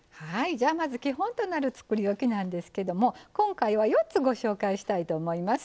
じゃあまず基本となるつくりおきなんですけども今回は４つご紹介したいと思います。